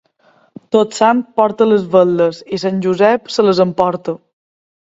Tots Sants porta les vetlles i Sant Josep se les emporta.